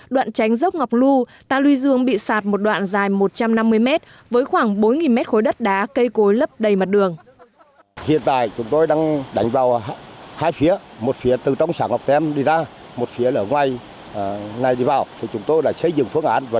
đoạn tránh dốc ngọc lu ta lui dương bị sạt một đoạn dài một trăm năm mươi m với khoảng bốn m khối đất đá